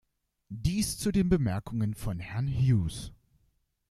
Dies zu den Bemerkungen von Herrn Hughes.